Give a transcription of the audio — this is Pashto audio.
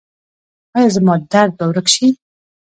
ایا زما درد به ورک شي؟